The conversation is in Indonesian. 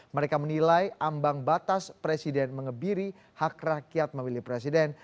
mereka menilai ambang batas presiden mengebiri hak rakyat memilih presiden